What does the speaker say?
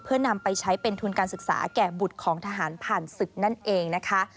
เพื่อนำไปใช้เป็นทุนการศึกษาแก่บุตรของทหารผ่านศึกนั่นเองนะคะ